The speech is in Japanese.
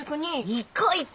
行こう行こう。